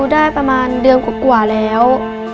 ได้ประมาณเดือนกว่าแล้ว